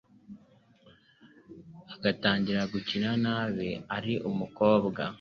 agatangira gukina niba ari umukobwa